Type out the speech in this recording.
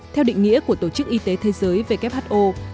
theo định nghĩa của tổ chức y tế thế giới who